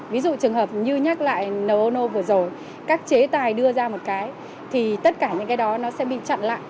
ví dụ trường hợp như nhắc lại nấu vừa rồi các chế tài đưa ra một cái thì tất cả những cái đó nó sẽ bị chặn lại